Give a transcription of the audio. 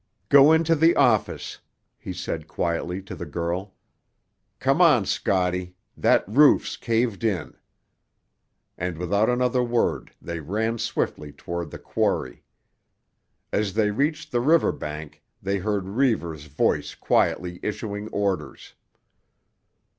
"Go into the office," he said quietly to the girl. "Come on, Scotty; that roof's caved in." And without another word they ran swiftly toward the quarry. As they reached the river bank they heard Reivers' voice quietly issuing orders.